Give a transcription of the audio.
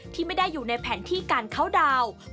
ที่ไม่ได้อยู่ในแผนที่การเข้าดาวน์